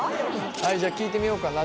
じゃあ聞いてみようかな。